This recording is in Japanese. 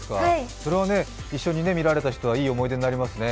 一緒に見られた人はいい思い出になりますね。